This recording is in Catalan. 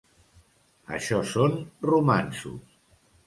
Això són romanços.